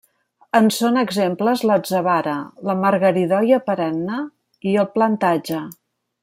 En són exemples l'atzavara, la margaridoia perenne i el plantatge.